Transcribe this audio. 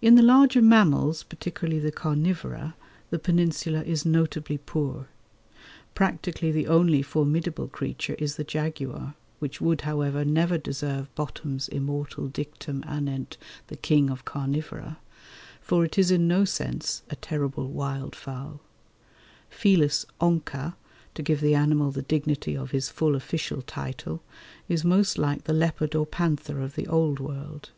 In the larger mammals, particularly the carnivora, the Peninsula is notably poor. Practically the only formidable creature is the jaguar, which would, however, never deserve Bottom's immortal dictum anent the king of carnivora, for it is in no sense "a terrible wild fowl." Felis onca, to give the animal the dignity of his full official title, is most like the leopard or panther of the Old World.